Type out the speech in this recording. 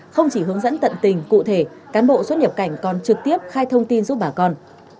không chỉ hướng dẫn tận tình cụ thể cán bộ xuất nhập cảnh còn trực tiếp khai thông tin giúp bà con